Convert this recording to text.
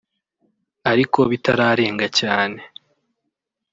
ariko bitararenga cyane